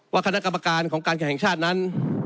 คณะกรรมการของการแข่งชาตินั้น